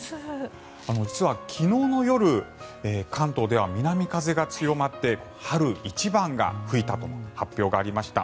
実は、昨日の夜関東では南風が強まって春一番が吹いたと発表がありました。